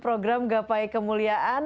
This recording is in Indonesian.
program gapai kemuliaan